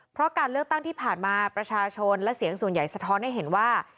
เพราะการเลือกตั้งที่ผ่านมาประชาชนและเสียงส่วนใหญ่สะท้อนให้เห็นว่า